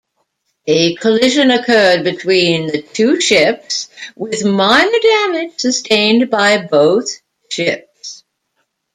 A collision occurred between the two ships with minor damage sustained by both ships.